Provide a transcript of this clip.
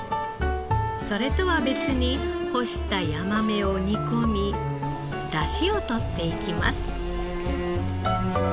それとは別に干したヤマメを煮込み出汁をとっていきます。